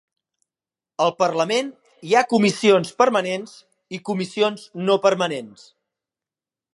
Al Parlament hi ha comissions permanents i comissions no permanents.